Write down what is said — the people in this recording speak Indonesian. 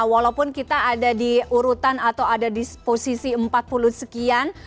walaupun kita ada di urutan atau ada di posisi empat puluh sekian